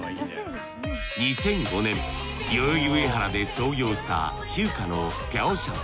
２００５年代々木上原で創業した中華のピャオシャン。